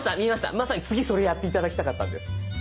まさに次それやって頂きたかったんです。